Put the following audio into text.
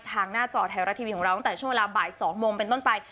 หน้าจอไทยรัฐทีวีของเราตั้งแต่ช่วงเวลาบ่าย๒โมงเป็นต้นไป